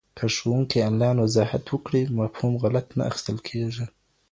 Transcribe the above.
که ښوونکی انلاین وضاحت وکړي، مفهوم غلط نه اخېستل کېږي.